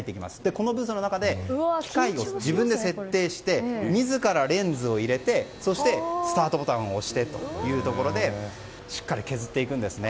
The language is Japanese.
このブースの中で機械を自分で設定して自らレンズを入れてそして、スタートボタンを押してしっかり削っていくんですね。